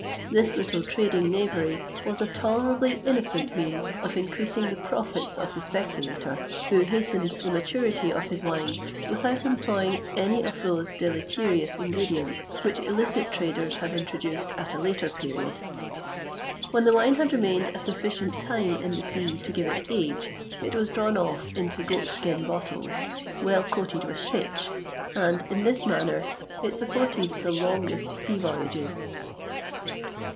[XXVIII 118] This little trading knavery was a tolerably innocent means of increasing the profits of the speculator, who hastened the maturity of his wines without employing any of those deleterious ingredients which illicit traders have introduced at a later period. When the wine had remained a sufficient time in the sea to give it age, it was drawn off into goatskin bottles, well coated with pitch, and, in this manner it supported the longest sea voyages.